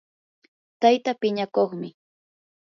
tayta piñakuqmi